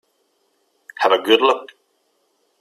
Have a good look.